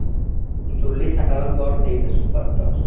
Uzrli sababim bor-deydi suhbatdosh